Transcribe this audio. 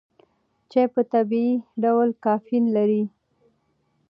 چای په طبیعي ډول کافین لري.